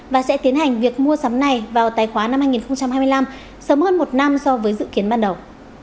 và sẽ tiến hành việc mua sắm này vào tài khoá năm hai nghìn hai mươi năm sớm hơn một năm so với dự kiến ban đầu